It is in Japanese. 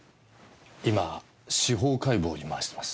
今司法解剖に回してます。